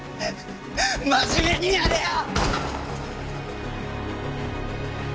真面目にやれよ！